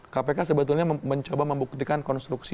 kpk sebetulnya mencoba membuktikan konstruksi